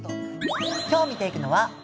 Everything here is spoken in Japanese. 今日見ていくのは目標